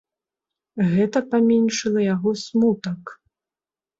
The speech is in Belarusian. Гэта паменшыла яго смутак.